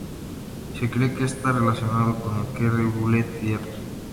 Se cree que está relacionado con el Kerry Blue Terrier.